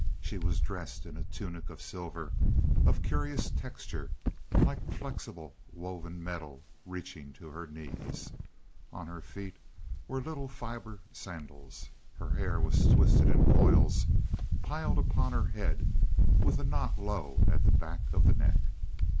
She was dressed in a tunic of silver, of curious texture, like flexible woven metal, reaching to her knees. On her feet were little fiber sandals. Her hair was twisted in coils, piled upon her head, with a knot low at the back of the neck.